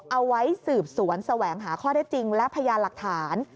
เอาไว้สืบสวนแสวงหาข้อได้จริงและพยานหลักฐาน